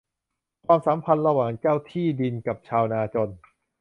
ความสัมพันธ์ระหว่างเจ้าที่ดินกับชาวนาจน